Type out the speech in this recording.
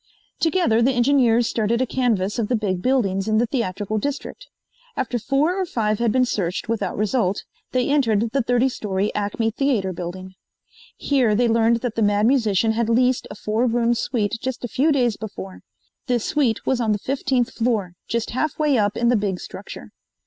Together the engineers started a canvass of the big buildings in the theatrical district. After four or five had been searched without result they entered the 30 story Acme Theater building. Here they learned that the Mad Musician had leased a four room suite just a few days before. This suite was on the fifteenth floor, just half way up in the big structure.